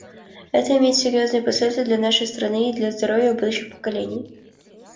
Это имеет серьезные последствия для нашей страны и для здоровья будущих поколений.